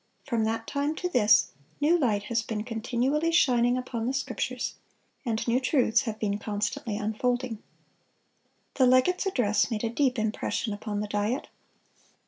From that time to this, new light has been continually shining upon the Scriptures, and new truths have been constantly unfolding. The legate's address made a deep impression upon the Diet.